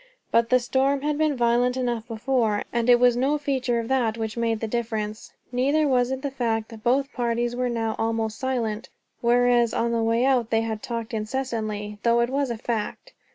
But the storm had been violent enough before, and it was no feature of that which made the difference. Neither was it the fact that both parties were now almost silent, whereas on the way out they had talked incessantly; though it was a fact.